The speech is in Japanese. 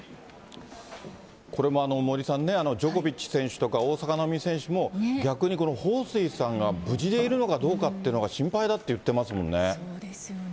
これも森さんね、ジョコビッチ選手とか、大坂なおみ選手も、逆にほうすいさんが無事でいるのかどうかというのが心配だっていそうですよね。